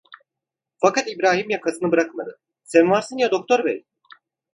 Fakat İbrahim yakasını bırakmadı: "Sen varsın ya, doktor bey…"